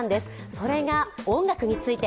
それが音楽について。